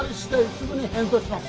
すぐに返答します